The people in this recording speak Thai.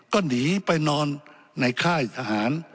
ก็หนีไปนอนในค่ายทหาร